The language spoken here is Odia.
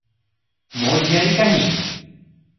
ମୋ ଝିଆରୀ କାହିଁ?